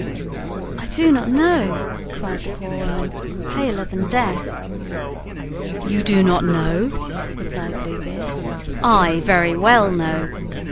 "I do not know," cried the poor woman, paler than death. "You do not know!" replied Blue Beard. "I very well know.